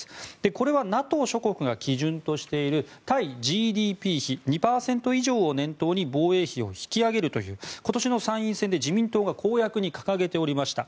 これはＮＡＴＯ諸国が基準としている対ＧＤＰ比２％以上を念頭に防衛費を引き上げるという今年の参院選で自民党が公約に掲げておりました